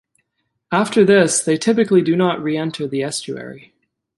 After this, they typically do not reenter the estuary.